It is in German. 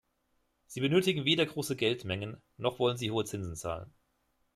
Sie benötigen weder große Geldmengen, noch wollen sie hohe Zinsen zahlen.